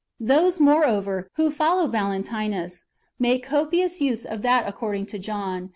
Those, moreover, who follow Valentinus, making copious use of that according to ^ John i.